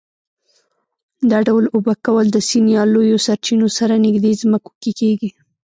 دا ډول اوبه کول د سیند یا لویو سرچینو سره نږدې ځمکو کې کېږي.